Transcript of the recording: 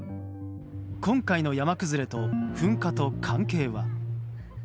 今回の山崩れと噴火と関係は。